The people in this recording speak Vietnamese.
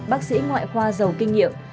bác sĩ ngoại khoa giàu kinh nghiệm